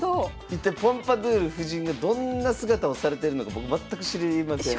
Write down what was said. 一体ポンパドゥール夫人がどんな姿をされてるのか僕全く知りません。